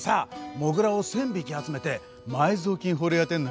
モグラを１，０００匹集めて埋蔵金掘り当てんのよ。